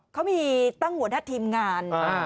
เขามีตั้งหัวหน้าทีมงาน